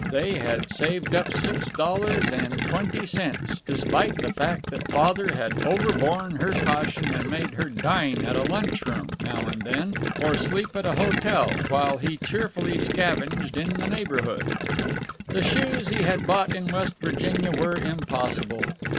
They had saved up six dollars and twenty cents, despite the fact that Father had overborne her caution and made her dine at a lunch room, now and then, or sleep at a hotel, while he cheerfully scavenged in the neighborhood. The shoes he had bought in West Virginia were impossible.